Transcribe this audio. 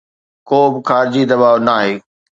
ڪوبه خارجي دٻاءُ ناهي.